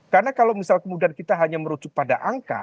karena kalau misalnya kemudian kita hanya merujuk pada angka